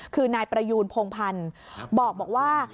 คือนายประยูนพงพันธ์บอกว่า